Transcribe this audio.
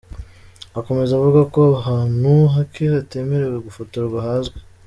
Akomeza avuga ko ahantu hake hatemerewe gufotorwa hazwi.